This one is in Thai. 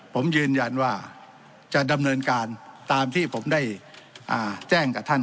ผมยืนยันว่าจะดำเนินการตามที่ผมได้แจ้งกับท่าน